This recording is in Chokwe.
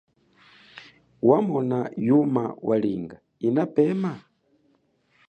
Wamona yuma walinga yinapeme ?